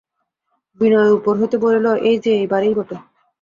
বিনয় উপর হইতে বলিল, এই-যে, এই বাড়িই বটে।